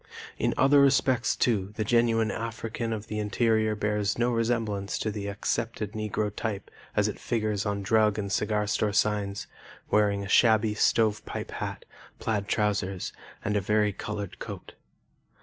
In other respects, too, the genuine African of the interior bears no resemblance to the accepted Negro type as it figures on drug and cigar store signs, wearing a shabby stovepipe hat, plaid trousers, and a vari colored coat.